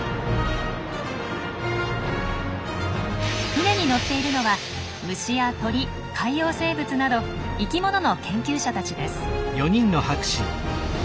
船に乗っているのは虫や鳥海洋生物など生きものの研究者たちです。